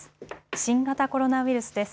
新型コロナウイルスです。